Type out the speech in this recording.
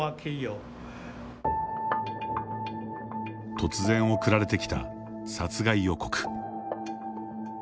突然、送られてきた殺害予告。